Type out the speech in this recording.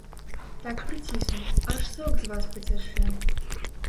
Так прыцісну, аж сок з вас пацячэ!